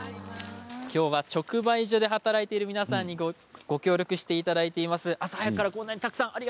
直売所で働いている皆さんに協力していただいています。